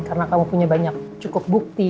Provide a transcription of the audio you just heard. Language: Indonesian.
karena kamu punya banyak cukup bukti